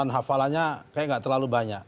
hafalannya kayaknya nggak terlalu banyak